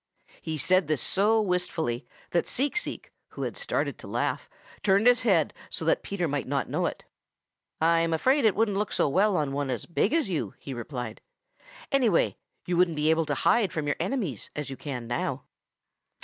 He said this so wistfully that Seek Seek, who had started to laugh, turned his head so that Peter might not know it. "I'm afraid it wouldn't look so well on one as big as you," he replied. "Anyway, you wouldn't be able to hide from your enemies as you can now."